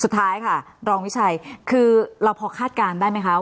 สุดท้ายค่ะรองวิชัยคือเราพอคาดการณ์ได้ไหมคะ